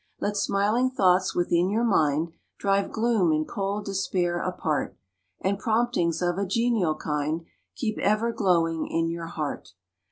Let smiling thoughts within your mind Drive gloom and cold despair apart, And promptings of a genial kind Keep ever glowing in your heart.